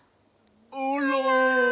あら。